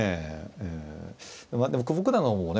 でも久保九段の方もね